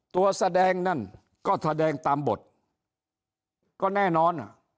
แสดงนั่นก็แสดงตามบทก็แน่นอน